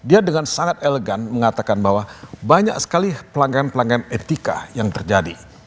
dia dengan sangat elegan mengatakan bahwa banyak sekali pelanggaran pelanggaran etika yang terjadi